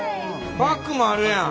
バッグもあるやん！